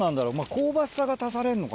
香ばしさが足されんのかな？